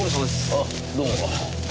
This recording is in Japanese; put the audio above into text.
あどうも。